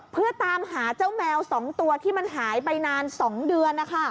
เพื่อตามหาเจ้าแมว๒ตัวที่มันหายไปนาน๒เดือน